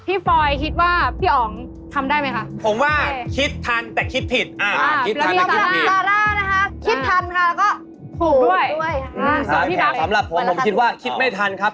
พี่ฟอยคิดว่าพี่อ๋องทำได้ไหมคะ